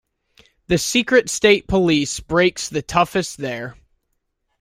The "Secret State Police" brakes the toughest there.